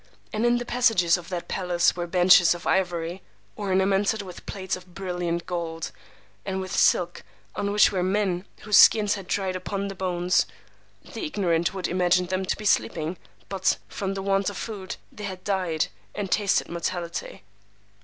And in the passages of that palace were benches of ivory, ornamented with plates of brilliant gold, and with silk, on which were men whose skins had dried upon the bones: the ignorant would imagine them to be sleeping; but, from the want of food, they had died, and tasted mortality.